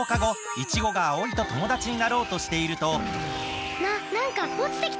イチゴがアオイとともだちになろうとしているとななんかおちてきたよ。